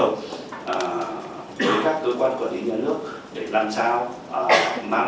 ở trên các nền tảng